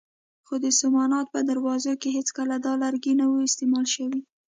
خو د سومنات په دروازو کې هېڅکله دا لرګی نه و استعمال شوی.